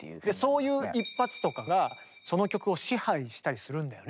そういう一発とかがその曲を支配したりするんだよね。